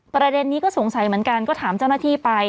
ประเด็นนี้ก็สงสัยเหมือนกันก็ถามเจ้าหน้าที่ไป